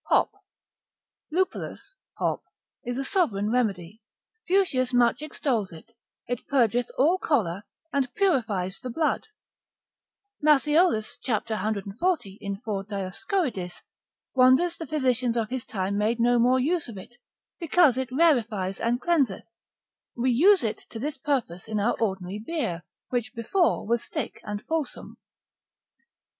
Hop.] Lupulus, hop, is a sovereign remedy; Fuchsius, cap. 58. Plant. hist. much extols it; it purgeth all choler, and purifies the blood. Matthiol. cap. 140. in 4. Dioscor. wonders the physicians of his time made no more use of it, because it rarefies and cleanseth: we use it to this purpose in our ordinary beer, which before was thick and fulsome.